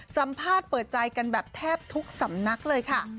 สัมภาษณ์เปิดใจกันแบบแทบทุกสำนักเลยค่ะ